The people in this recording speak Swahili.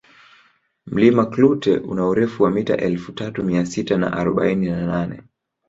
mlima klute una urefu wa mita elfu tatu Mia sita na arobaini na nane